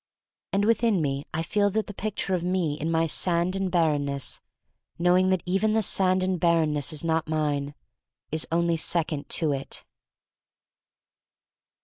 And within me I feel that the picture of me in my sand and barrenness — knowing that even the sand and bar renness is not mine — is only second to it.